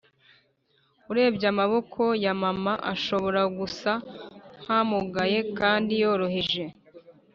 urebye, amaboko ya mama ashobora gusa nkamugaye kandi yoroheje.